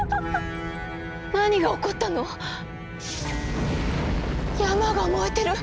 何が起こったの⁉山が燃えてる！